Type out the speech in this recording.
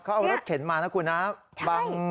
เขาเอ้ารถเข็นมานะครับคุณฮะ